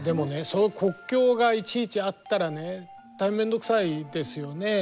その国境がいちいちあったらね大変面倒くさいですよね。